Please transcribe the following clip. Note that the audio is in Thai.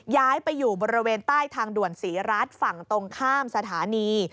ย้ายไปอยู่บริเวณใต้ทางด่วนศรีรัฐฝั่งตรงข้ามสถานี